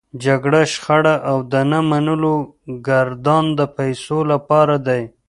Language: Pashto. جګړه، شخړه او د نه منلو ګردان د پيسو لپاره دی.